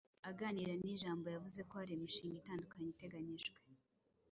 Aganira n’Ijambo yavuze ko hari imishinga itandukanye iteganyijwe